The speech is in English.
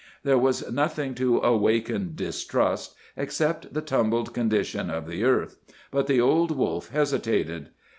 There was nothing to awaken distrust except the tumbled condition of the earth, but the old wolf hesitated.